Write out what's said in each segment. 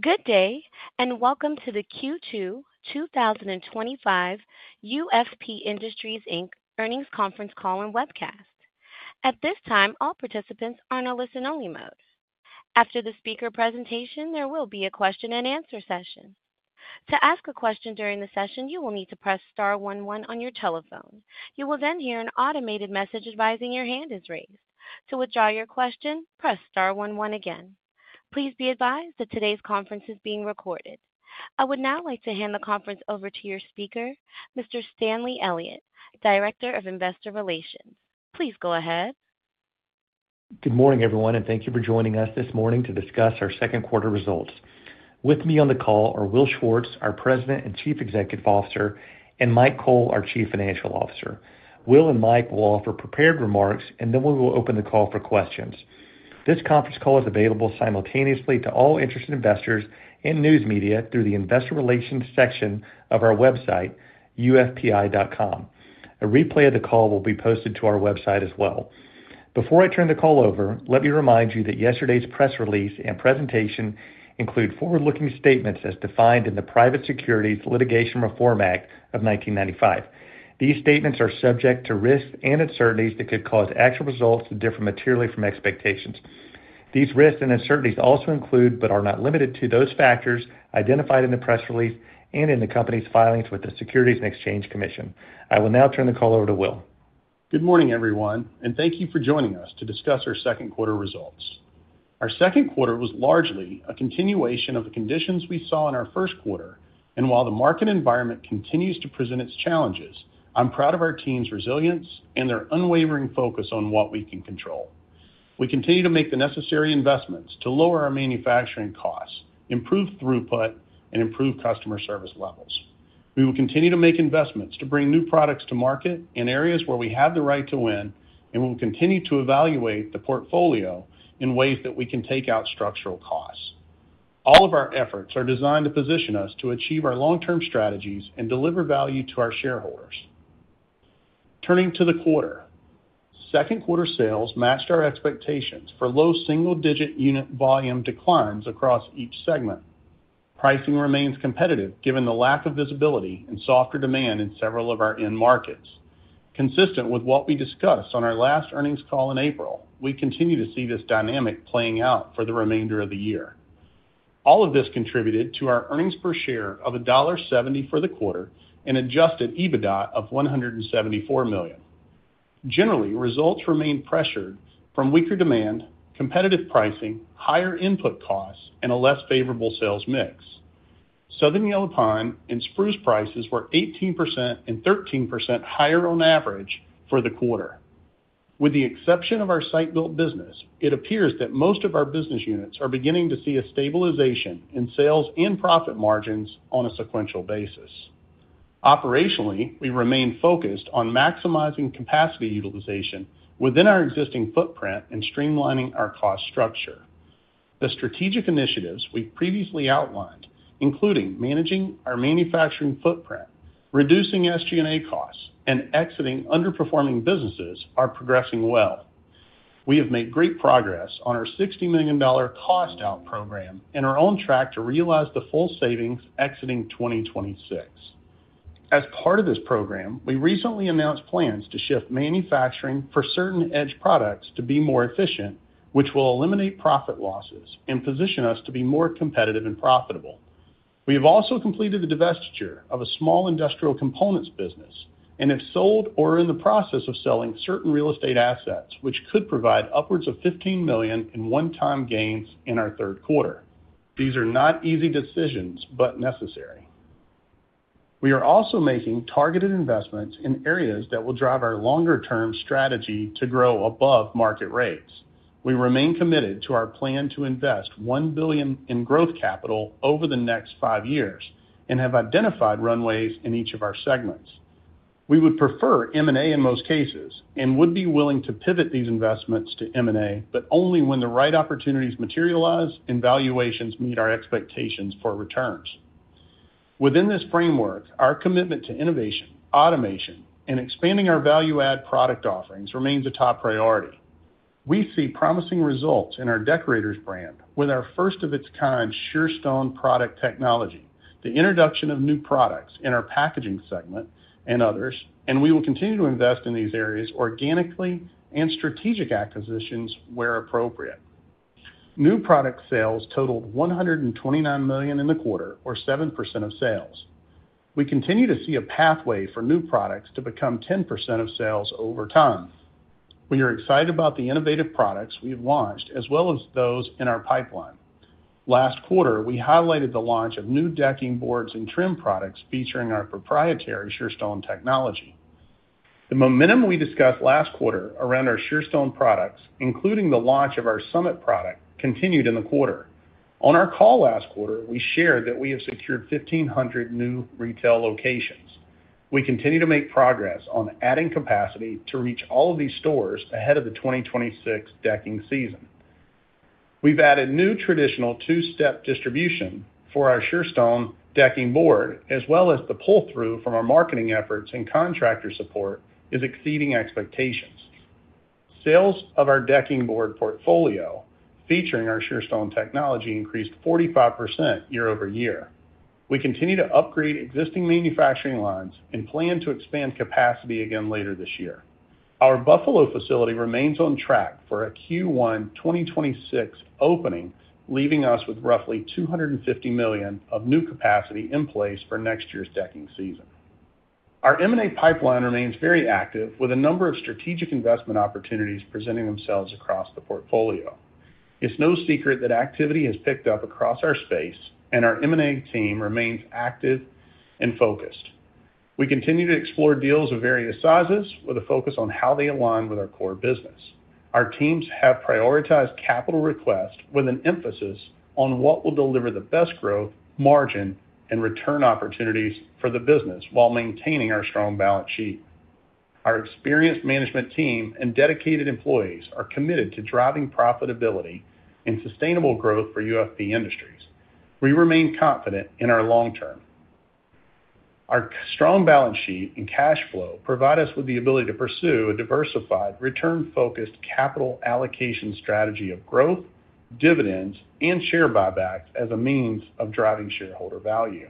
Good day and welcome to the Q2 2025 UFP Industries, Inc. Earnings Conference Call and Webcast. At this time, all participants are in a listen-only mode. After the speaker presentation, there will be a question and answer session. To ask a question during the session, you will need to press star one one on your telephone. You will then hear an automated message advising your hand is raised. To withdraw your question, press star one one again. Please be advised that today's conference is being recorded. I would now like to hand the conference over to your speaker, Mr. Stanley Elliott, Director of Investor Relations. Please go ahead. Good morning everyone and thank you for joining us this morning to discuss our second quarter results. With me on the call are Will Schwartz, our President and Chief Executive Officer, and Mike Cole, our Chief Financial Officer. Will and Mike will offer prepared remarks and then we will open the call for questions. This conference call is available simultaneously to all interested investors and news media through the Investor Relations section of our website, ufpi.com. A replay of the call will be posted to our website as well. Before I turn the call over, let me remind you that yesterday's press release and presentation include forward-looking statements as defined in the Private Securities Litigation Reform Act of 1995. These statements are subject to risks and uncertainties that could cause actual results to differ materially from expectations. These risks and uncertainties also include, but are not limited to, those factors identified in the press release and in the company's filings with the Securities and Exchange Commission. I will now turn the call over Will. Good morning everyone and thank you for joining us to discuss our second quarter results. Our second quarter was largely a continuation of the conditions we saw in our first quarter, and while the market environment continues to present its challenges, I'm proud of our team's resilience and their unwavering focus on what we can control. We continue to make the necessary investments to lower our manufacturing costs, improve throughput, and improve customer service levels. We will continue to make investments to bring new products to market in areas where we have the right to win, and we will continue to evaluate the portfolio in ways that we can take out structural costs. All of our efforts are designed to position us to achieve our long term strategies and deliver value to our shareholders. Turning to the quarter, second quarter sales matched our expectations for low single digit unit volume declines across each segment. Pricing remains competitive given the lack of visibility and softer demand in several of our end markets. Consistent with what we discussed on our last earnings call in April, we continue to see this dynamic playing out for the remainder of the year. All of this contributed to our earnings per share of $1.70 for the quarter and adjusted EBITDA of $174 million. Generally, results remain pressured from weaker demand, competitive pricing, higher input costs, and a less favorable sales mix. Southern yellow pine and spruce prices were 18% and 13% higher on average for the quarter. With the exception of our site-built business unit, it appears that most of our business units are beginning to see a stabilization in sales and profit margins on a sequential basis. Operationally, we remain focused on maximizing capacity utilization within our existing footprint and streamlining our cost structure. The strategic initiatives we previously outlined, including managing our manufacturing footprint, reducing SG&A costs, and exiting underperforming businesses, are progressing well. We have made great progress on our $60 million cost reduction program and are on track to realize the full savings exiting 2026. As part of this program, we recently announced plans to shift manufacturing for certain Edge products to be more efficient, which will eliminate profit losses and position us to be more competitive and profitable. We have also completed the divestiture of a small industrial components business and have sold or are in the process of selling certain real estate assets, which could provide upwards of $15 million in one time. Gains in our third quarter. These are not easy decisions, but necessary. We are also making targeted investments in areas that will drive our longer-term strategy to grow above market rates. We remain committed to our plan to invest $1 billion in growth capital over the next five years and have identified runways in each of our segments. We would prefer M&A in most cases and would be willing to pivot these investments to M&A, but only when the right opportunities materialize and valuations meet our expectations. Expectations for returns within this framework, our commitment to innovation, automation, and expanding our value-add product offerings remains a top priority. We see promising results in our Deckorators brand with our first-of-its-kind Surestone product technology, the introduction of new products in our packaging segment and others, and we will continue to invest in these areas organically and through strategic acquisitions where appropriate. New product sales totaled $129 million in the quarter, or 7% of sales. We continue to see a pathway for new products to become 10% of sales over time. We are excited about the innovative products we have launched as well as those in our pipeline. Last quarter, we highlighted the launch of new decking boards and trim products featuring our proprietary Surestone technology. The momentum we discussed last quarter around our Surestone products, including the launch of our Summit product, continued in the quarter. On our call last quarter, we shared that we have secured 1,500 new retail locations. We continue to make progress on adding capacity to reach all of these stores ahead of the 2026 decking season. We've added new traditional two-step distribution for our Surestone decking board, as well as the pull-through from our marketing efforts, and contractor support is exceeding expectations. Sales of our decking board portfolio featuring our Surestone technology increased 45% year-over-year. We continue to upgrade existing manufacturing lines and plan to expand capacity again later this year. Our Buffalo facility remains on track for a Q1 2026 opening, leaving us with roughly $250 million of new capacity in place for next year's decking season. Our M&A pipeline remains very active, with a number of strategic investment opportunities presenting themselves across the portfolio. It's no secret that activity has picked up across our space, and our M&A team remains active and focused. We continue to explore deals of various sizes with a focus on how they align with our core business. Our teams have prioritized capital requests with an emphasis on what will deliver the best growth, margin, and return opportunities for the business while maintaining our strong balance sheet. Our experienced management team and dedicated employees are committed to driving profitability and sustainable growth for UFP Industries. We remain confident in our long term. Our strong balance sheet and cash flow provide us with the ability to pursue a diversified, return-focused capital allocation strategy of growth, dividends, and share repurchases as a means of driving shareholder value.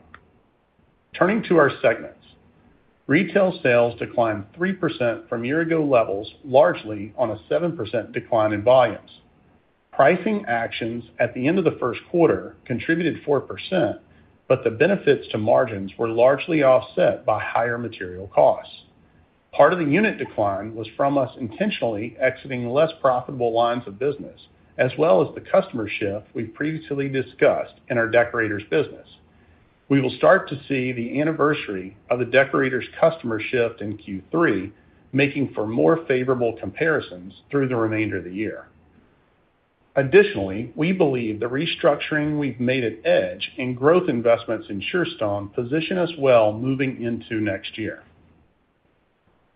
Turning to our segments, retail sales declined 3% from year-ago levels, largely on a 7% decline in volumes. Pricing actions at the end of the first quarter contributed 4%, but the benefits to margins were largely offset by higher material costs. Part of the unit decline was from us intentionally exiting less profitable lines of business as well as the customer shift we previously discussed in our Deckorators business. We will start to see the anniversary of the Deckorators customer shift in Q3, making for more favorable comparisons through the remainder of the year. Additionally, we believe the restructuring we've made at Edge and growth investments in Surestone position us well moving into next year.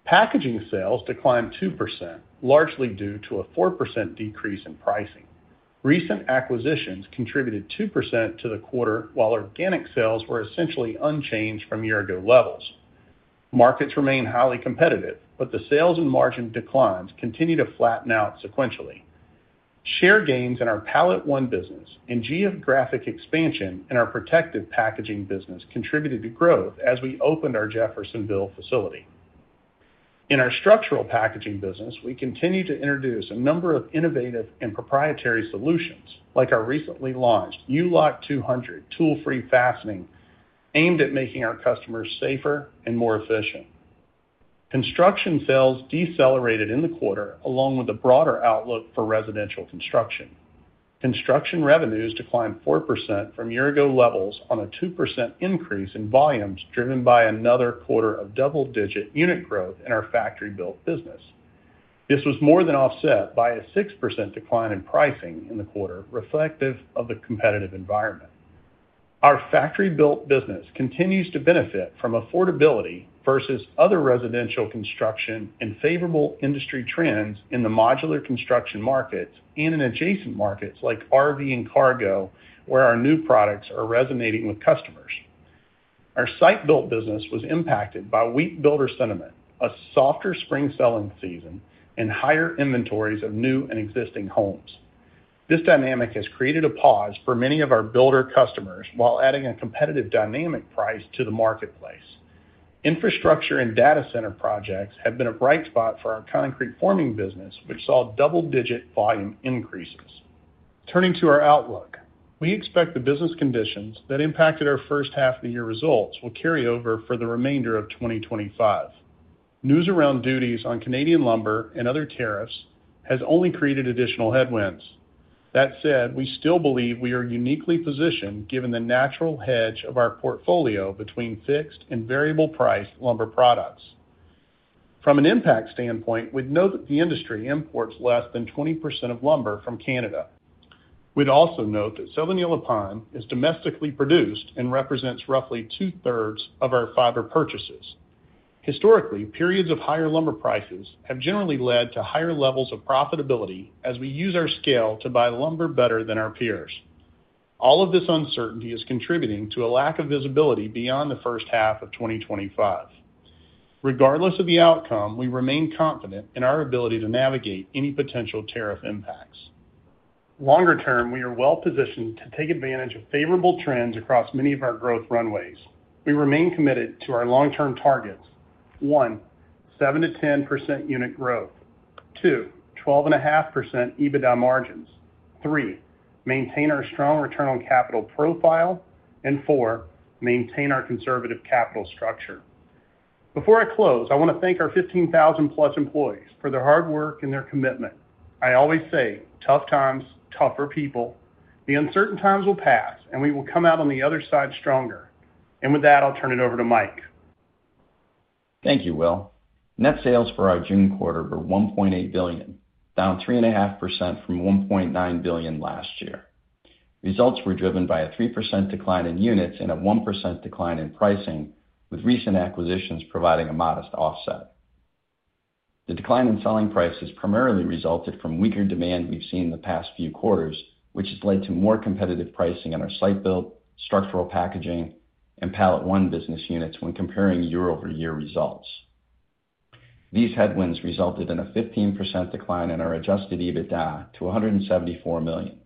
Packaging sales declined 2%, largely due to a 4% decrease in pricing. Recent acquisitions contributed 2% to the quarter, while organic sales were essentially unchanged from year-ago levels. Markets remain highly competitive, but the sales and margin declines continue to flatten out sequentially. Share gains in our PalletOne business and geographic expansion in our protective packaging business contributed to growth as we opened our Jeffersonville facility. In our structural packaging business, we continue to introduce a number of innovative and proprietary solutions like our recently launched U-Loc 200 tool-free fastening aimed at making our customers safer and more efficient. Construction sales decelerated in the quarter along with a broader outlook for residential construction. Construction revenues declined 4% from year-ago levels on a 2% increase in volumes driven by another quarter of double-digit unit growth in our factory-built business. This was more than offset by a 6% decline in pricing in the quarter. Reflective of the competitive environment, our factory-built business continues to benefit from affordability versus other residential construction and favorable industry trends in the modular construction markets and in adjacent markets like RV and cargo where our new products are resonating with customers. Our site-built business was impacted by weak builder sentiment, a softer spring selling season, and higher inventories of new and existing homes. This dynamic has created a pause for many of our builder customers while adding a competitive dynamic price to the marketplace. Infrastructure and data center projects have been a bright spot for our concrete forming business, which saw double-digit volume increases. Turning to our outlook, we expect the business conditions that impacted our first half of the year results will carry over for the remainder of 2025. News around duties on Canadian lumber and other tariffs has only created additional headwinds. That said, we still believe we are uniquely positioned given the natural hedge of our portfolio between fixed and variable priced lumber products. From an impact standpoint, we'd note that the industry imports less than 20% of lumber from Canada. We'd also note that [Sauvigny Lapont] is domestically produced and represents roughly two-thirds of our fiber purchases. Historically, periods of higher lumber prices have generally led to higher levels of profitability as we use our scale to buy lumber better than our peers. All of this uncertainty is contributing to a lack of visibility beyond the first half of 2025. Regardless of the outcome, we remain confident in our ability to navigate any potential tariff impacts. Longer term, we are well positioned to take advantage of favorable trends across many of our growth runways. We remain committed to our long-term targets: One. 7%-10% unit growth, Two. 12.5% EBITDA margins, Three. maintain our strong return on capital profile, and Four. maintain our conservative capital structure. Before I close, I want to thank our 15,000+ employees for their hard. Work and their commitment. I always say tough times, tougher people. The uncertain times will pass, and we will come out on the other side stronger. With that, I'll turn it over to Mike. Thank you, Will. Net sales for our June quarter were $1.8 billion, down 3.5% from $1.9 billion last year. Results were driven by a 3% decline in units and a 1% decline in pricing, with recent acquisitions providing a modest offset. The decline in selling prices primarily resulted from weaker demand. We've seen the past few quarters, which has led to more competitive pricing in our site-built structural packaging and PalletOne business units. When comparing year-over-year results, these headwinds resulted in a 15% decline in our adjusted EBITDA to $174 million,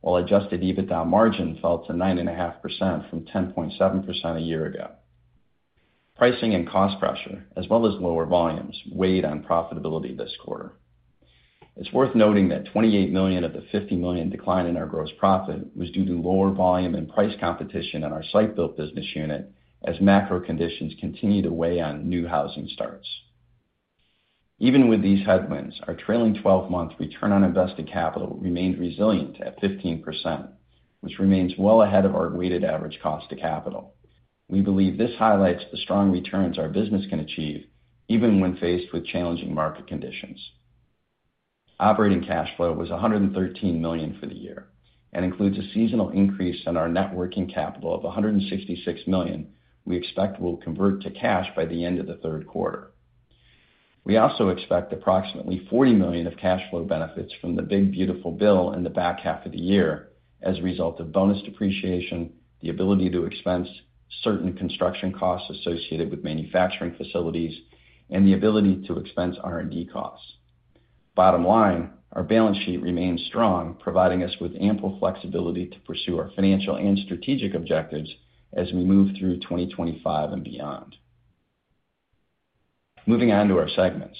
while adjusted EBITDA margin fell to 9.5% from 10.7% a year ago. Pricing and cost pressure as well as lower volumes weighed on profitability this quarter. It's worth noting that $28 million of the $50 million decline in our gross profit was due to lower volume and price competition in our site-built business unit as macro conditions continue to weigh on new housing starts. Even with these headwinds, our trailing twelve-month return on invested capital remained resilient at 15%, which remains well ahead of our weighted average cost of capital. We believe this highlights the strong returns our business can achieve even when faced with challenging market conditions. Operating cash flow was $113 million for the year and includes a seasonal increase in our net working capital of $166 million. We expect will convert to cash by the end of the third quarter. We also expect approximately $40 million of cash flow benefits from the big beautiful bill in the back half of the year as a result of bonus depreciation, the ability to expense certain construction costs associated with manufacturing facilities, and the ability to expense R&D costs. Bottom line, our balance sheet remains strong, providing us with ample flexibility to pursue our financial and strategic objectives as we move through 2025 and beyond. Moving on to our segments,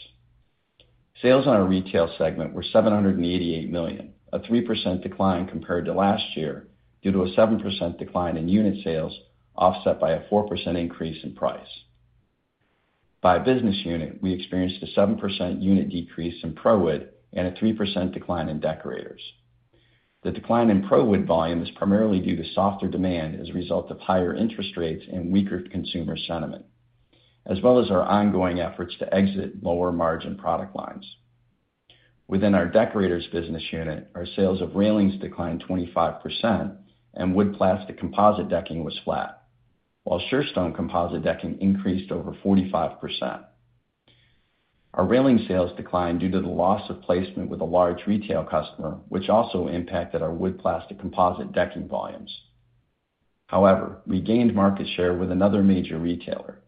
sales on our retail segment were $788 million, a 3% decline compared to last year due to a 7% decline in unit sales offset by a 4% increase in price. By business unit, we experienced a 7% unit decrease in ProWood and a 3% decline in Deckorators. The decline in ProWood volume is primarily due to softer demand as a result of higher interest rates and weaker consumer sentiment as well as our ongoing efforts to exit lower margin product lines. Within our Deckorators business unit, our sales of railings declined 25%. Wood plastic composite decking was flat while Surestone composite decking increased over 45%. Our railing sales declined due to the loss of placement with a large retail customer, which also impacted our wood plastic composite decking volumes. However, we gained market share with another major retailer,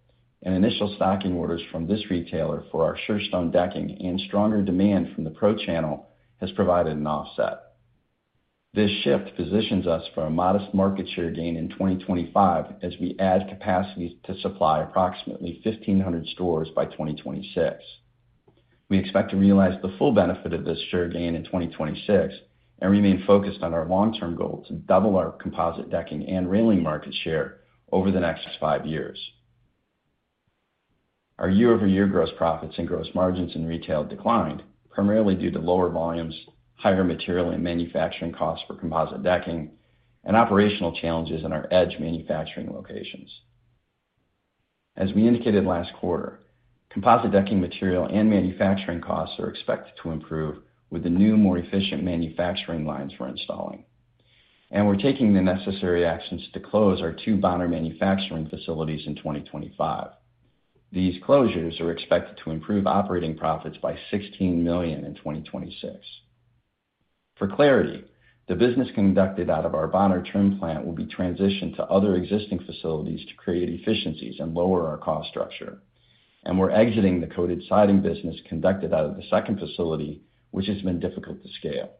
and initial stocking orders from this retailer for our Surestone decking and stronger demand from the Pro Channel has provided an offset. This shift positions us for a modest market share gain in 2025 as we add capacity to supply approximately 1,500 stores by 2026. We expect to realize the full benefit of this share gain in 2026 and remain focused on our long-term goal to double our composite decking and railing market share over the next five years. Our year-over-year gross profits and gross margins in retail declined primarily due to lower volumes, higher material and manufacturing costs for composite decking, and operational challenges in our Edge manufacturing locations. As we indicated last quarter, composite decking material and manufacturing costs are expected to improve with the new, more efficient manufacturing lines we're installing, and we're taking the necessary actions to close our two Bonner manufacturing facilities in 2025. These closures are expected to improve operating profits by $16 million in 2026. For clarity, the business conducted out of our Bonner Trim plant will be transitioned to other existing facilities to create efficiencies and lower our cost structure. We're exiting the coated siding business conducted out of the second facility, which has been difficult to scale.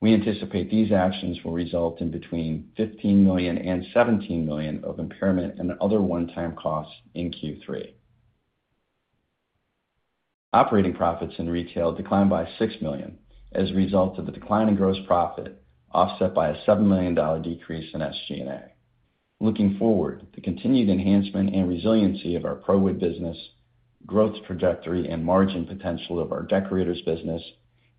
We anticipate these actions will result in between $15 million and $17 million of impairment and other one-time costs in Q3. Operating profits in retail declined by $6 million as a result of the decline in gross profit, offset by a $7 million decrease in SG&A. Looking forward, the continued enhancement and resiliency of our ProWood business, growth trajectory and margin potential of our Deckorators business,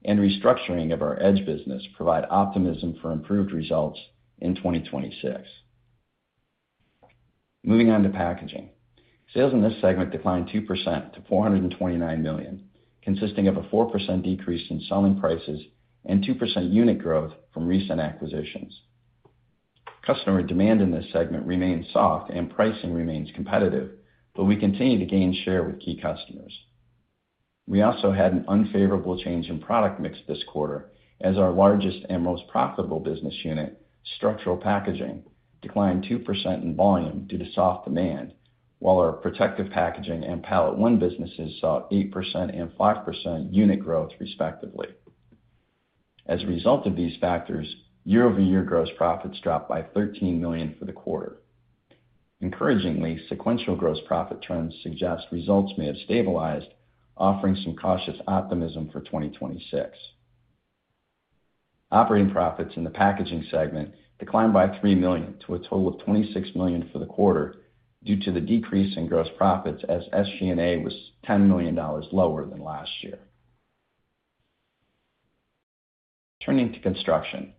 and restructuring of our Edge business provide optimism for improved results in 2026. Moving on to packaging, sales in this segment declined 2% to $429 million, consisting of a 4% decrease in selling prices and 2% unit growth from recent acquisitions. Customer demand in this segment remains soft and pricing remains competitive, but we continue to gain share with key customers. We also had an unfavorable change in product mix this quarter as our largest and most profitable business unit, structural packaging, declined 2% in volume due to soft demand, while our protective packaging and PalletOne businesses saw 8% and 5% unit growth respectively. As a result of these factors, year-over-year, gross profits dropped by $13 million for the quarter. Encouragingly, sequential gross profit trends suggest results may have stabilized, offering some cautious optimism for 2026. Operating profits in the packaging segment declined by $3 million to a total of $26 million for the quarter due to the decrease in gross profits as SG&A was $10 million lower than last year. Turning to construction,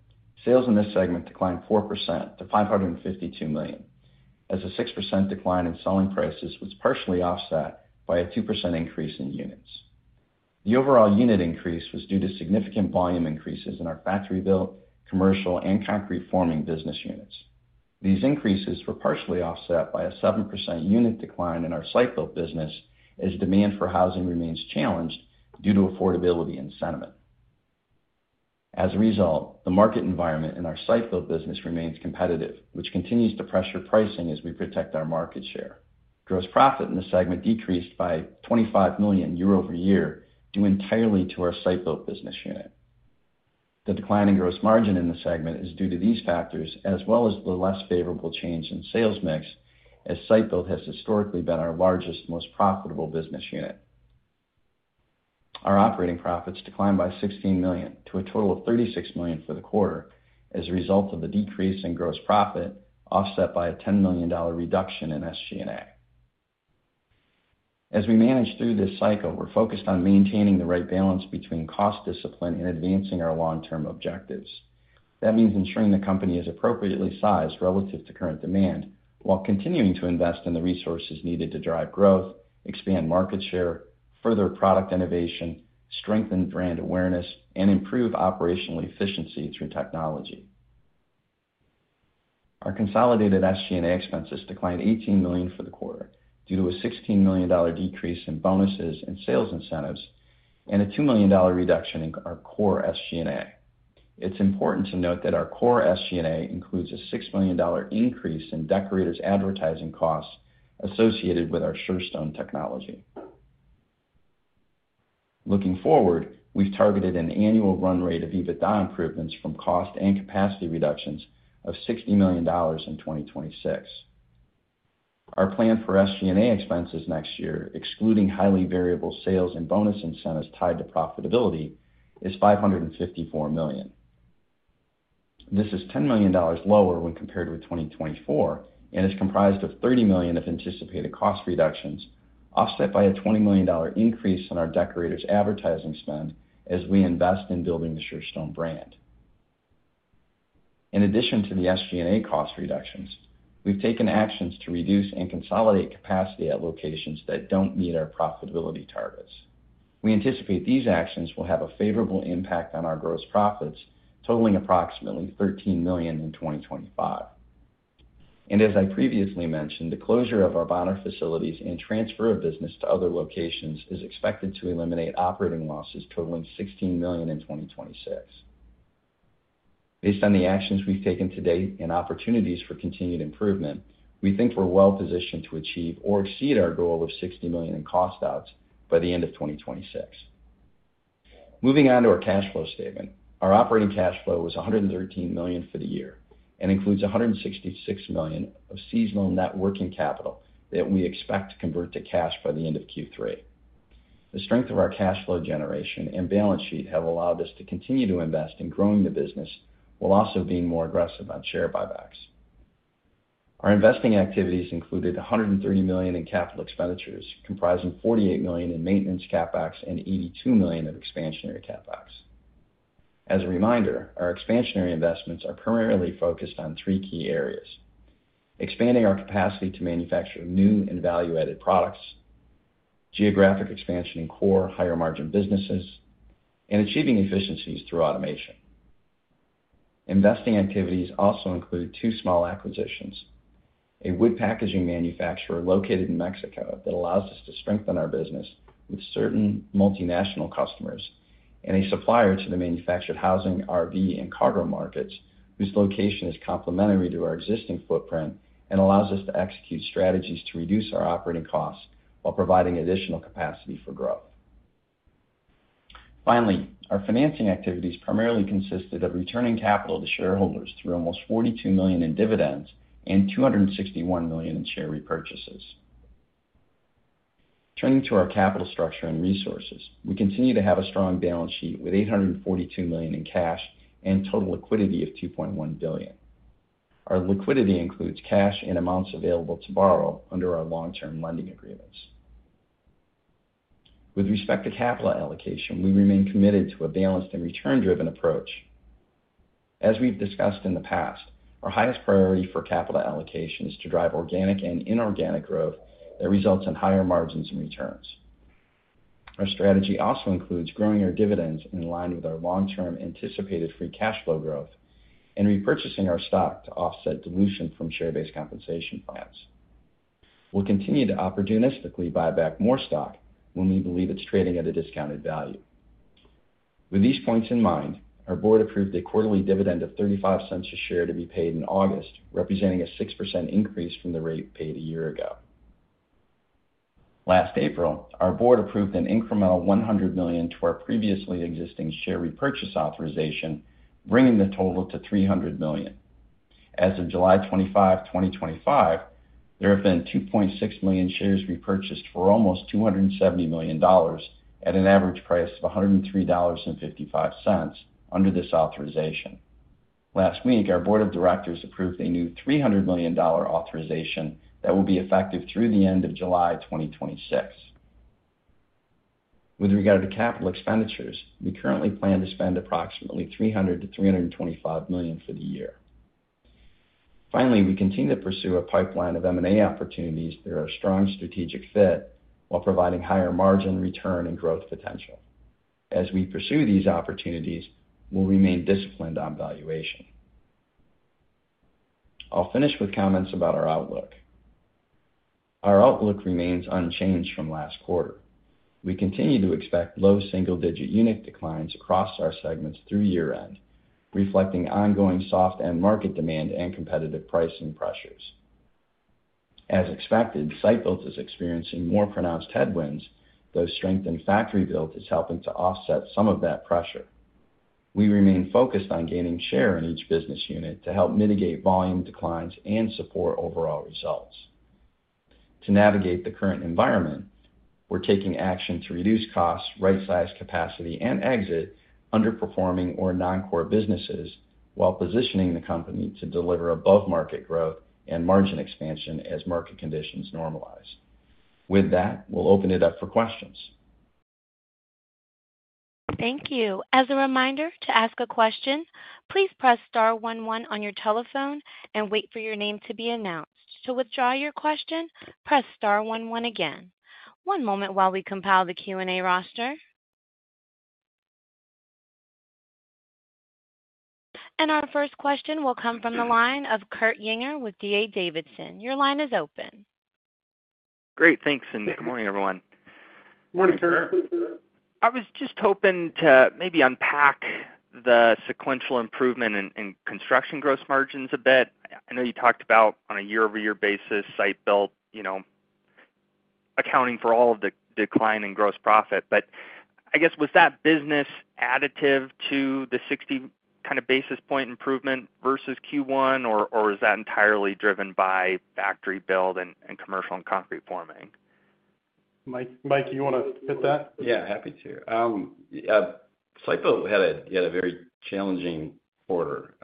sales in this segment declined 4% to $552 million as a 6% decline in selling prices was partially offset by a 2% increase in units. The overall unit increase was due to significant volume increases in our factory-built, commercial and concrete forming business units. These increases were partially offset by a 7% unit decline in our site-built business as demand for housing remains challenged due to affordability and sentiment. As a result, the market environment in our site-built business remains competitive, which continues to pressure pricing as we protect our market share. Gross profit in the segment decreased by $25 million year-over-year due entirely to our site-built business unit. The decline in gross margin in the segment is due to these factors as well as the less favorable change in sales mix. As site-built has historically been our largest, most profitable business unit, our operating profits declined by $16 million to a total of $36 million for the quarter as a result of the decrease in gross profit offset by a $10 million reduction in SG&A. As we manage through this cycle, we're focused on maintaining the right balance between cost discipline and advancing our long-term objectives. That means ensuring the company is appropriately sized relative to current demand while continuing to invest in the resources needed to drive growth, expand market share, further product innovation, strengthen brand awareness, and improve operational efficiency through technology. Our consolidated SG&A expenses declined $18 million for the quarter due to a $16 million decrease in bonuses and sales incentives and a $2 million reduction in our core SG&A. It's important to note that our core SG&A includes a $6 million increase in Deckorators advertising costs associated with our Surestone technology. Looking forward, we've targeted an annual run rate of EBITDA improvements from cost and capacity reductions of $60 million in 2026. Our plan for SG&A expenses next year, excluding highly variable sales and bonus incentives tied to profitability, is $554 million. This is $10 million lower when compared with 2024 and is comprised of $30 million of anticipated cost reductions offset by a $20 million increase in our Deckorators advertising spend as we invest in building the Surestone brand. In addition to the SG&A cost reductions, we've taken actions to reduce and consolidate capacity at locations that don't meet our profitability targets. We anticipate these actions will have a favorable impact on our gross profits totaling approximately $13 million in 2025. As I previously mentioned, the closure of our Bonner facilities and transfer of business to other locations is expected to eliminate operating losses totaling $16 million in 2026. Based on the actions we've taken to date and opportunities for continued improvement, we think we're well positioned to achieve or exceed our goal of $60 million in cost outs by the end of 2026. Moving on to our cash flow statement, our operating cash flow was $113 million for the year and includes $166 million of seasonal net working capital that we expect to convert to cash by the end of Q3. The strength of our cash flow generation and balance sheet have allowed us to continue to invest in growing the business while also being more aggressive on share buybacks. Our investing activities included $130 million in capital expenditures comprising $48 million in maintenance CapEx and $82 million in expansionary CapEx. As a reminder, our expansionary investments are primarily focused on three key areas: expanding our capacity to manufacture new and value-added products, geographic expansion in core higher margin businesses, and achieving efficiencies through automation. Investing activities also include two small acquisitions, a wood packaging manufacturer located in Mexico that allows us to strengthen our business with certain multinational customers, and a supplier to the manufactured housing, RV, and cargo markets whose location is complementary to our existing footprint and allows us to execute strategies to reduce our operating costs while providing additional capacity for growth. Finally, our financing activities primarily consisted of returning capital to shareholders through almost $42 million in dividends and $261 million in share repurchases. Turning to our capital structure and resources, we continue to have a strong balance sheet with $842 million in cash and total liquidity of $2.1 billion. Our liquidity includes cash and amounts available to borrow under our long-term lending agreements. With respect to capital allocation, we remain committed to a balanced and return-driven approach. As we've discussed in the past, our highest priority for capital allocation is to drive organic and inorganic growth that results in higher margins and returns. Our strategy also includes growing our dividends in line with our long-term anticipated free cash flow growth and repurchasing our stock to offset dilution from share-based compensation plans. We'll continue to opportunistically buy back more stock when we believe it's trading at a discounted value. With these points in mind, our Board approved a quarterly dividend of $0.35 a share to be paid in August, representing a 6% increase from the rate paid a year ago. Last April, our Board approved an incremental $100 million to our previously existing share repurchase authorization, bringing the total to $300 million as of July 25, 2025. There have been 2.6 million shares repurchased for almost $270 million at an average price of $103.55 under this authorization. Last week, our Board of Directors approved a new $300 million authorization that will be effective through the end of July 2026. With regard to capital expenditures, we currently plan to spend approximately $300 million-$325 million for the year. Finally, we continue to pursue a pipeline of M&A opportunities through our strong strategic fit while providing higher margin return and growth potential. As we pursue these opportunities, we'll remain disciplined on valuation. I'll finish with comments about our outlook. Our outlook remains unchanged from last quarter. We continue to expect low single-digit unit declines across our segments through year-end reflecting ongoing soft end market demand and competitive pricing pressures. As expected, the site-built business unit is experiencing more pronounced headwinds, though strength in factory-built units is helping to offset some of that pressure. We remain focused on gaining share in each business unit to help mitigate volume declines and support overall results. To navigate the current environment, we're taking action to reduce costs, right size capacity, and exit underperforming or non-core businesses while positioning the company to deliver above market growth and margin expansion as market conditions normalize. With that, we'll open it up for questions. Thank you. As a reminder, to ask a question, please press star one one on your telephone and wait for your name to be announced. To withdraw your question, press star one one again. One moment while we compile the Q&A roster. Our first question will come from the line of Kurt Yinger with D.A. Davidson. Your line is open. Great, thanks and good morning everyone. Good morning, Kurt. I was just hoping to maybe unpack the sequential improvement in construction gross margins a bit. I know you talked about on a year-over-year basis site-built, you know, accounting for all of the decline in gross profit. I guess was that business additive to the 60 basis point improvement versus Q1, or is that entirely driven by factory-built and commercial and concrete forming units? Mike, you want to hit that? Yeah, happy to. [site-built] had a very challenging quarter,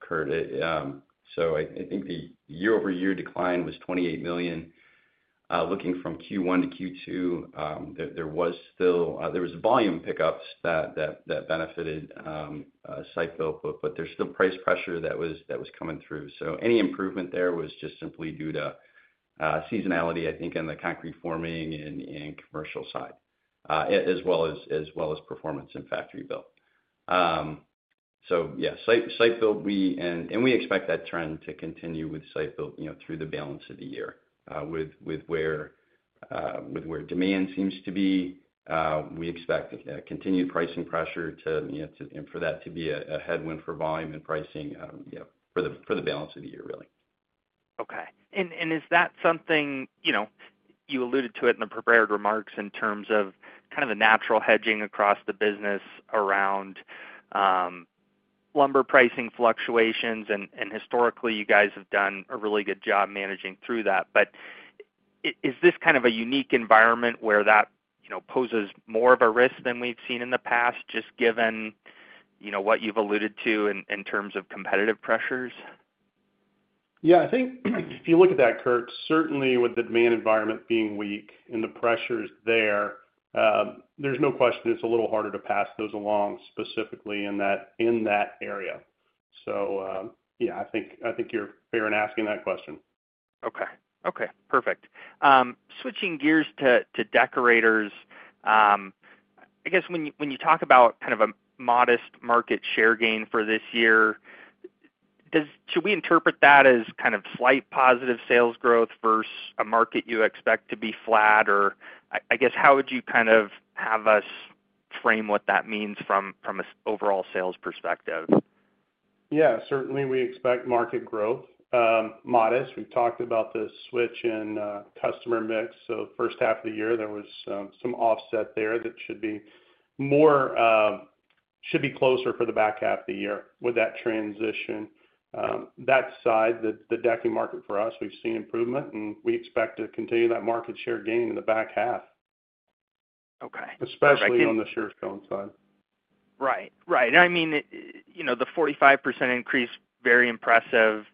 Kurt. I think the year-over-year decline was $28 million. Looking from Q1 to Q2, there was volume pickups that benefited site-built, but there's still price pressure that was coming through. Any improvement there was just simply due to seasonality, I think, in the concrete forming and commercial side as well as performance in factory-built. Yes, site-built, and we expect that trend to continue with site-built through the balance of the year with where demand seems to be. We expect continued pricing pressure for that to be a headwind for volume and pricing for the balance of the year. Really. Okay. Is that something you alluded to in the prepared remarks in terms of the natural hedging across the business? Lumber. Pricing fluctuations and historically you guys have done a really good job managing through that. Is this kind of a unique environment where that poses more of a risk than we've seen in the past, just given what you've alluded to in terms of competitive pressures? Yeah, I think if you look at it. That, Kurt, certainly with the demand environment being weak and the pressures there, there's no question it's a little harder to pass those along specifically in that area. I think you're fair in asking that question. Okay. Perfect. Switching gears to Deckorators, I guess when you talk about kind of a modest market share gain for this year, should we interpret that as kind of slight positive sales growth versus a market you expect to be flat, or I guess how would you kind of have us frame what that means from an overall sales perspective? Yeah, certainly we expect market growth modest. We talked about the switch in customer mix. First half of the year there was some offset there. That should be closer for the back half of the year with that transition. That side, the decking market for us, we've seen improvement and we expect to continue that market share gain in the back half, especially on the Surestone side. Right, right. I mean, the 45% increase, very impressive.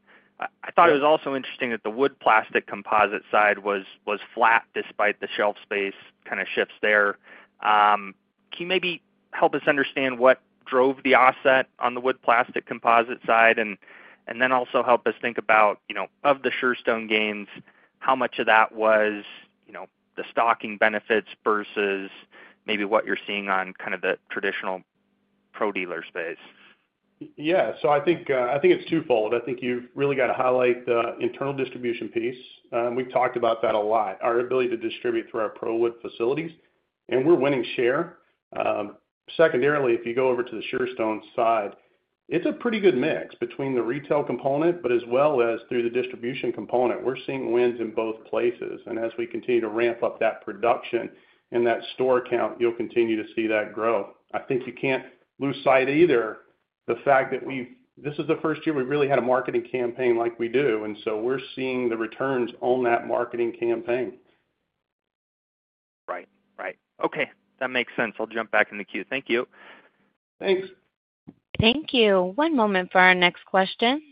I thought it was also interesting that the wood plastic composite side was flat despite the shelf space kind of shifts there. Can you maybe help us understand what drove the offset on the wood plastic composite side, and then also help us think about, of the Surestone gains, how much of that was the stocking benefits versus maybe what you're seeing on kind of the traditional pro dealer space? Yeah. I think it's twofold. I think you've really got to highlight the internal distribution piece. We've talked about that a lot. Our ability to distribute through our ProWood facilities and we're winning share. Secondarily, if you go over to the Surestone side, it's a pretty good mix between the retail component, as well as through the distribution component. We're seeing wins in both places. As we continue to ramp up that production and that store count, you'll continue to see that grow. I think you can't lose sight either. The fact that we, this is the first year we really had a marketing campaign like we do, and so we're seeing the returns on that marketing campaign. Right, right. Okay, that makes sense. I'll jump back in the queue. Thank you. Thanks. Thank you. One moment for our next question.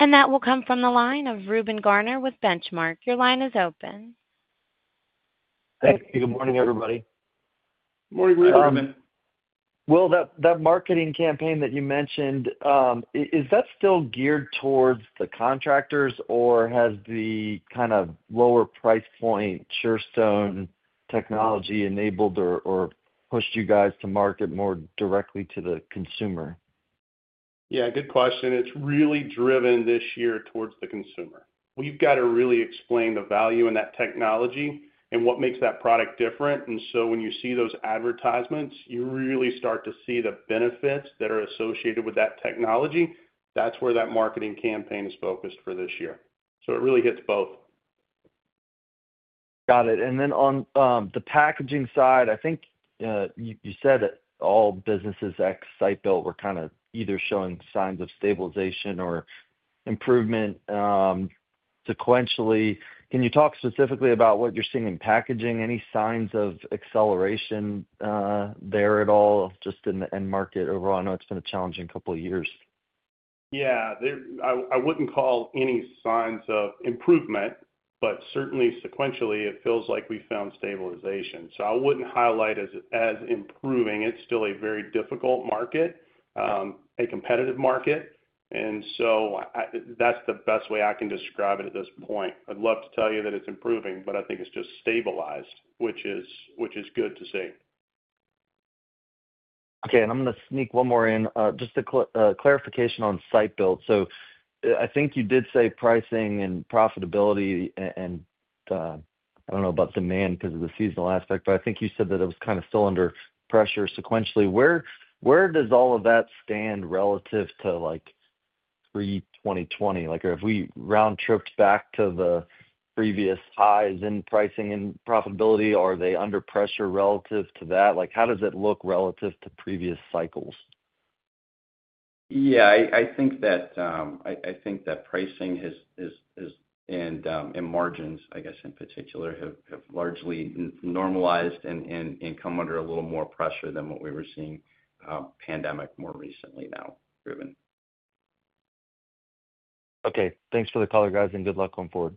That will come from the line of Reuben Garner with Benchmark. Your line is open. Thank you. Good morning, everybody. Good morning, Reuben. That marketing campaign that you mentioned, is that still geared towards the contractors, or has the kind of lower price point Surestone technology enabled or pushed you guys to market more directly to the consumer? Yeah, good question. It's really driven this year towards the consumer. We've got to really explain the value in that technology and what makes that product different. When you see those advertisements, you really start to see the benefits that are associated with that technology. That's where that marketing campaign is focused for this year. It really hits both. Got it. On the packaging side, I think you said all businesses except the site-built business unit were either showing signs of stabilization or improvement sequentially. Can you talk specifically about what you're seeing in packaging? Any signs of acceleration there at all? In the end market overall, I know it's been a challenging couple of years. I wouldn't call any signs of improvement, but certainly sequentially it feels like we found stabilization. I wouldn't highlight as improving. It's still a very difficult market, a competitive market. That's the best way I can describe it at this point. I'd love to tell you that it's improving, but I think it's just stabilized, which is good to see. Okay. I'm going to sneak one more in. Just a clarification on site-built. I think you did say pricing and profitability, and I don't know about demand because of the seasonal aspect. I think you said that it was. Kind of still under pressure sequentially. Where does all of that stand? Relative to like three. 20, 20, like if we round tripped back to the previous highs in pricing and profitability, are they under pressure relative to that? How does it look relative to previous cycles? Yeah, I think that pricing and margins, I guess in particular, have largely normalized and come under a little more pressure than what we were seeing pre-pandemic, more recently now. Okay, thanks for the color, guys, and good luck going forward.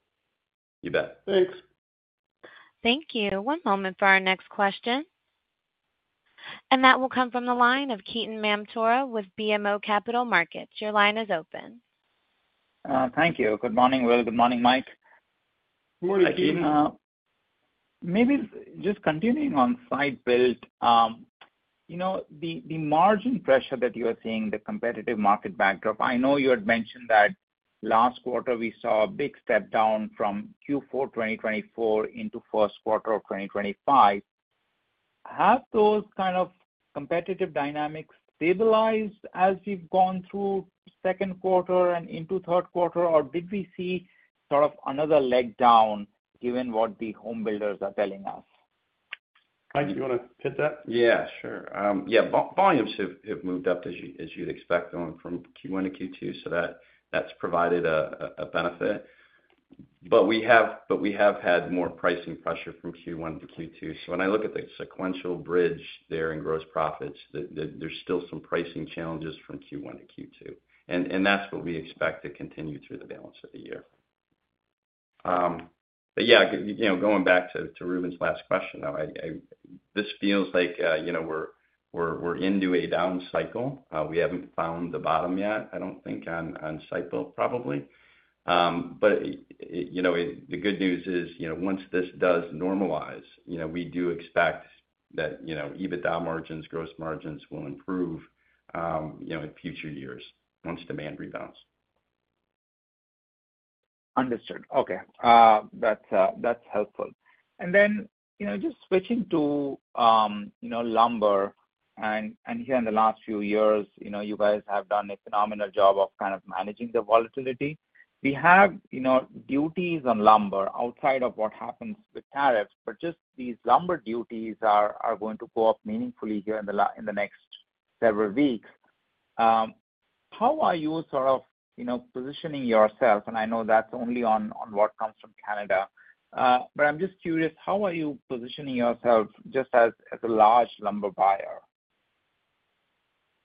You bet. Thank you. One moment for our next question. That will come from the line of Ketan Mamtora with BMO Capital Markets. Your line is open. Thank you. Good morning, Will. Good morning, Mike. Morning, Keaton. Maybe just continuing on site-built. You know, the margin pressure that you are seeing, the competitive market backdrop. I know you had mentioned that last quarter, we saw a big step down from Q4 2024 into first quarter of 2025. Have those kind of competitive dynamics stabilized as we've gone through second quarter and into third quarter? Did we see sort of another leg down, given what the home builders are telling us? Mike, you want to hit that? Yeah, sure. Volumes have moved up, as you'd expect, going from Q1 to Q2, so that's provided a benefit. We have had more pricing pressure from Q1 to Q2. When I look at the sequential bridge there in gross profits, there's still some pricing challenges from Q1 to Q2, and that's what we expect to continue through the balance of the year. Going back to Reuben's last question, though, this feels like we're into a down cycle. We haven't found the bottom yet, I don't think on cycle, probably. The good news is, once this does normalize, we do expect that EBITDA margins, gross margins, will improve in future years once demand rebounds. Understood. Okay, that's helpful. Just switching to lumber, in the last few years, you guys have done a phenomenal job of managing the volatility. We have duties on lumber outside of what happens with tariffs, but these lumber duties are going to go up meaningfully in the next several weeks. How are you positioning yourself? I know that's only on what comes from Canada, but I'm just curious, how are you positioning yourself just as a large lumber buyer?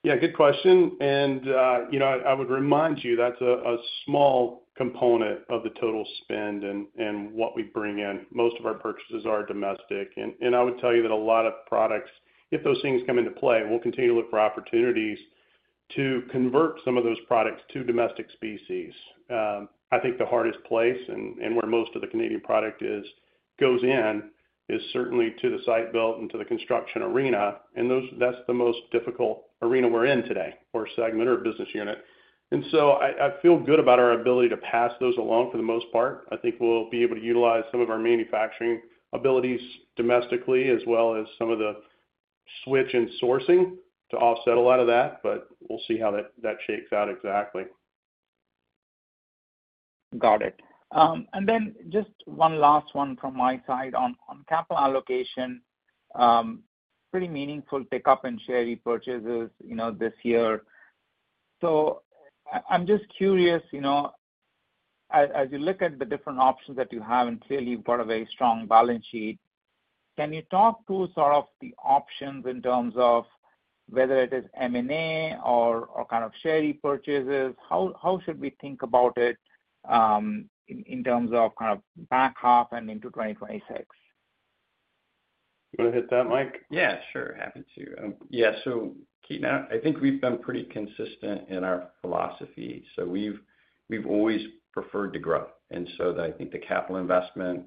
Good question. I would remind you that's a small component of the total spend. What we bring in, most of our purchases are domestic. I would tell you that a lot of products, if those things come into play, we'll continue to look for opportunities to convert some of those products to domestic species. I think the hardest place and where most of the Canadian product goes in is certainly to the site-built and to the construction arena. That's the most difficult arena we're in today or segment or business unit. I feel good about our ability to pass those along. For the most part, I think we'll be able to utilize some of our manufacturing abilities domestically as well as some of the switch in sourcing to offset. A lot of that. We will see how that shakes out. Exactly. Got it. Just one last one from my side on capital allocation, pretty meaningful pickup in share repurchases this year. I'm just curious, as you look at the different options that you have and clearly you've got a very strong balance sheet. Can you talk to the options in terms of whether it is M&A or kind of share repurchases? How should we think about it in terms of back half and into 2026? Want to hit that, Mike? Yeah, sure. Happy to. Yes. Ketan, I think we've been pretty consistent in our philosophy, so we've always preferred to grow. I think the capital investment,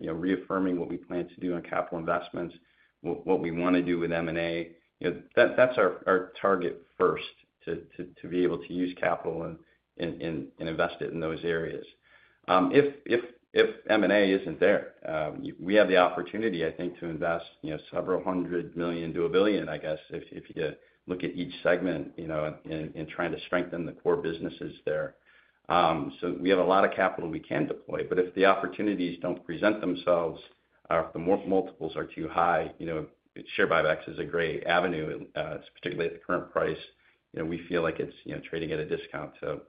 reaffirming what we plan to do on capital investments, what we want to do with M&A, that's our target first, to be able to use capital and invest it in those areas. If M&A isn't there, we have the opportunity, I think, to invest several hundred million to $1 billion. I guess if you look at each segment in trying to strengthen the core businesses there. We have a lot of capital we can deploy. If the opportunities don't present themselves, if the multiples are too high, share repurchases is a great avenue, particularly at the current price. We feel like it's trading at a discount to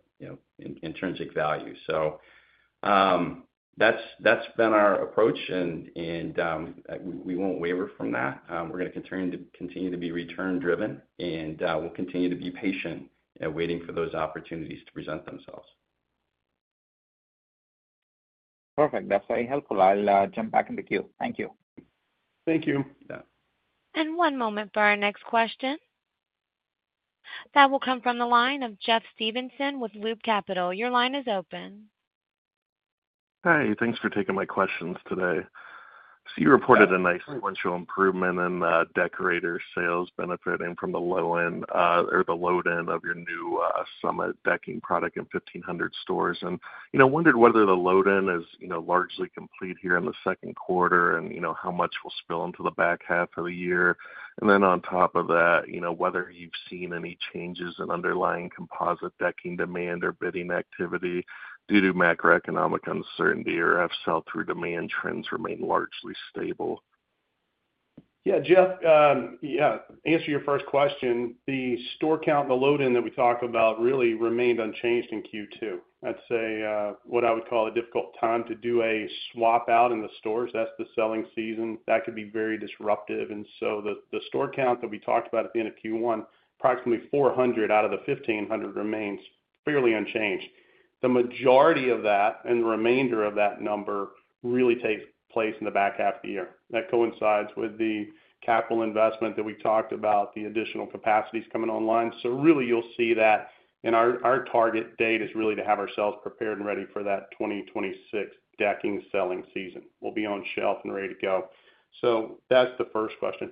intrinsic value. So. That's been our approach, and we won't waver from that. We're going to continue to be return driven, and we'll continue to be patient, waiting for those opportunities to present themselves. Perfect. That's very helpful. I'll jump back in the queue. Thank you. Thank you. One moment for our next question that will come from the line of Jeff Stevenson with Loop Capital. Your line is open. Hi. Thanks for taking my questions today. You reported a nice sequential improvement in Deckorators sales benefiting from the load-in of your new Summit decking product in 1,500 stores, and I wondered whether the load-in is largely complete here in the second quarter and how much will spill into the. Back half of the year. Have you seen any changes in underlying composite decking demand or bidding activity due to macroeconomic uncertainty, or do sell through demand trends remain largely stable? Yeah. Jeff, to answer your first question, the store count, the load-in that we talk about, really remained unchanged in Q2. That's what I would call a difficult time to do a swap out in the stores. That's the selling season that could be very disruptive. The store count that we talked about at the end of Q1, approximately 400 out of the 1,500, remains fairly unchanged. The majority of that and the remainder of that number really takes place in the back half of the year. That coincides with the capital investment that we talked about, the additional capacities coming online. You will see that, and our target date is really to have ourselves prepared and ready for that 2026 decking selling season. We will be on shelf and ready to go. That's the first question.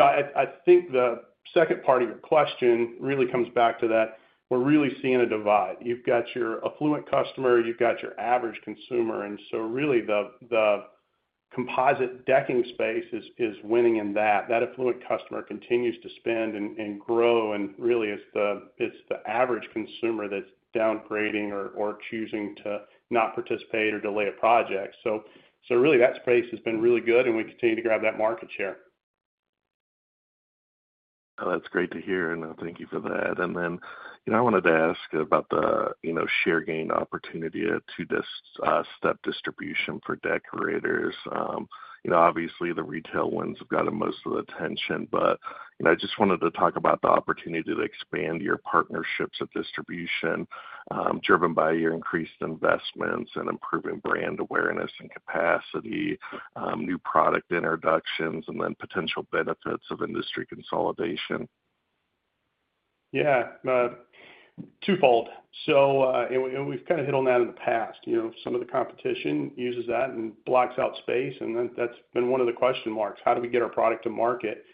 I think the second part of your question really comes back to that. We're really seeing a divide. You've got your affluent customer, you've got your average consumer. The composite decking space is winning in that the affluent customer continues to spend and grow. It's the average consumer that's downgrading or choosing to not participate or delay a project. That space has been really good, and we continue to grab that market share. That's great to hear and thank you for that. I wanted to ask about the share gain opportunity at Two Step Distribution for Deckorators. Obviously the retail wins have gotten most of the attention, but I just wanted to talk about the opportunity to expand your partnerships of distribution driven by your increased investments and improving brand awareness and capacity, new product introductions, and then potential benefits of industry consolidation. Yeah, twofold. We've kind of hit on that in the past. Some of the competition uses that and blocks out space, and that's been one of the question marks. How do we get our product to market?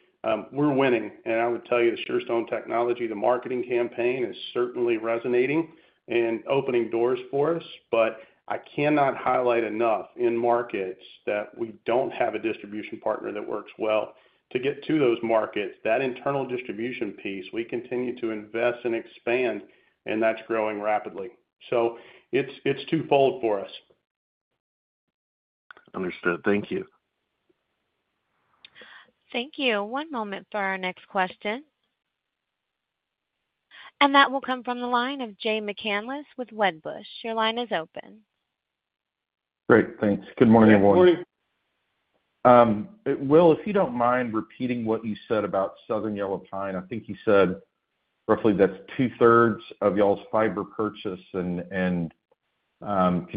We're winning, and I would tell you the Surestone technology, the marketing campaign is certainly resonating and opening doors for us. I cannot highlight enough, in markets that we don't have a distribution partner that works well to get to those markets, that internal distribution piece. We continue to invest and expand, and that's growing rapidly. It's twofold for us. Understood. Thank you. Thank you. One moment for our next question. That will come from the line of Jay McCanless with Wedbush. Your line is open. Great, thanks. Good morning, everyone. Will, if you don't mind repeating what. You said about southern yellow pine, I think you said roughly that's 2/3 of y'all's fiber purchase. Could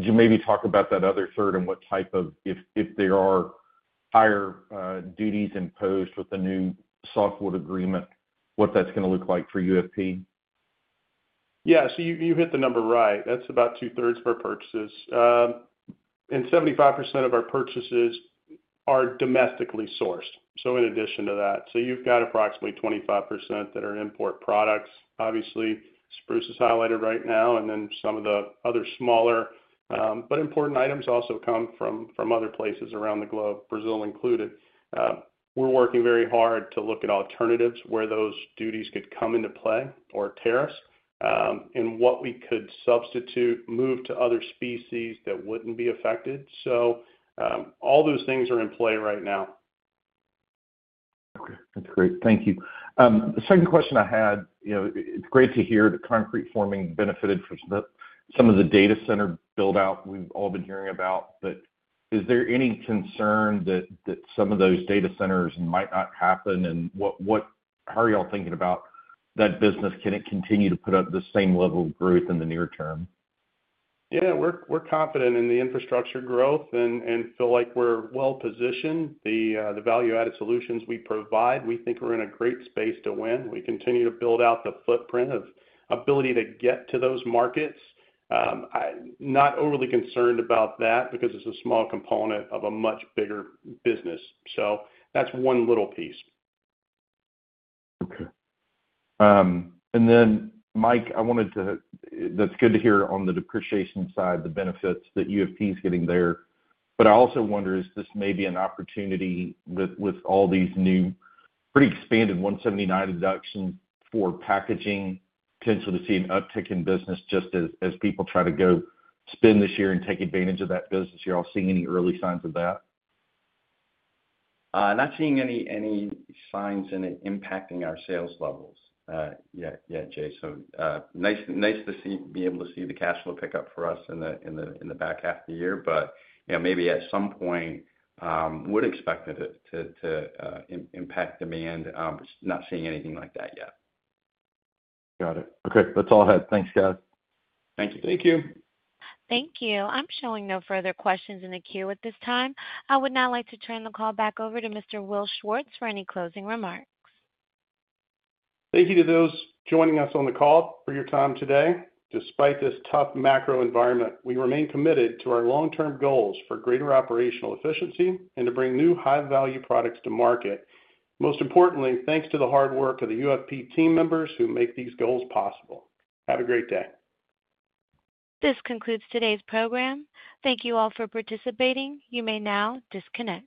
you maybe talk about that? Other third and what type of. If there are higher duties imposed with the new Softwood agreement, what that's going to look like for UFP? Yeah, you hit the number, right? That's about 2/3 of our purchases, and 75% of our purchases are domestically sourced. In addition to that, you've got approximately 25% that are import products. Obviously, spruce is highlighted right now, and some of the other smaller but important items also come from other places around the globe, Brazil included. We're working very hard to look at alternatives where those duties could come into play or tariffs and what we could substitute, move to other species that wouldn't be affected. All those things are in play right now. Okay, that's great. Thank you. The second question I had, it's great to hear the concrete forming benefited from some of the data center build out. We've all been hearing about. Is there any concern that some of those data centers might not happen? How are you all thinking about that business? Can it continue to put up the Same level of growth in the near term? Yeah, we're confident in the infrastructure growth and feel like we're well positioned. The value added solutions we provide, we think we're in a great space to win. We continue to build out the footprint of ability to get to those markets. Not overly concerned about that because it's a small component of a much bigger business. That's one little piece. Okay. Mike, I wanted to. That's good to hear. On the depreciation side, the benefits that UFP is getting there. I also wonder is this maybe an opportunity with all these new pretty expanded 179 deduction for packaging potential to see an uptick in business just as people try to go this year. Take advantage of that business. You're all seeing any early signs of that. Not seeing any signs in it impacting our sales levels yet. Jay, so nice to be able to see the cash flow pick up for us in the back half of the year. At some point would expect it to impact demand. Not seeing anything like that yet. Got it. Okay, that's all ahead. Thanks Guys. Thank you. Thank you. Thank you. I'm showing no further questions in the queue at this time. I would now like to turn the call back over to Mr. Will Schwartz for any closing remarks. Thank you to those joining us on the call for your time today. Despite this tough macro environment, we remain committed to our long-term goals. Greater operational efficiency and to bring new high value products to market. Most importantly, thanks to the hard work. Of the UFP team members who make these goals possible. Have a great day. This concludes today's program. Thank you all for participating. You may now disconnect.